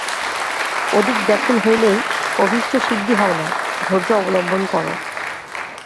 অধিক ব্যাকুল হইলেই অভীষ্টসিদ্ধি হয় না ধৈর্য অবলম্বন কর।